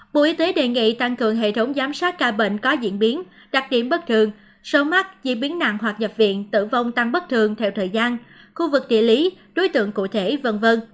bộ y tế đề nghị tăng cường hệ thống giám sát ca bệnh có diễn biến đặc điểm bất thường số mắc chi biến nặng hoặc nhập viện tử vong tăng bất thường theo thời gian khu vực địa lý đối tượng cụ thể v v